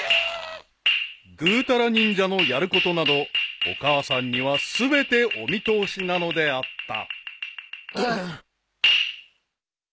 ［グータラ忍者のやることなどお母さんには全てお見通しなのであった］